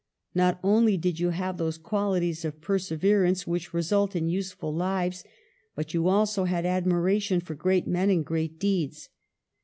Not only did you have those qualities of perseverance which result in useful lives, but you also had admiration for great men and great deeds.